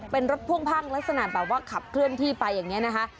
เป็นรถพ่วงพังลักษณะแบบว่าขับเคลื่อนที่ไปอย่างนี้นะคะ